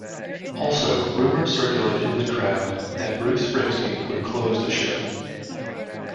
Also, rumors circulated in the crowd that Bruce Springsteen would close the show.